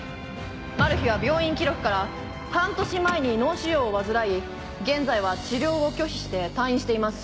マルヒは病院記録から半年前に脳腫瘍を患い現在は治療を拒否して退院しています。